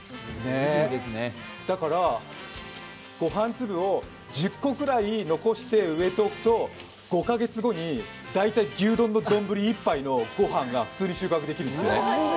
だからご飯粒を１０個くらい残して植えておくと５か月後に大体、牛丼の丼１杯の稲を収穫できるんですね。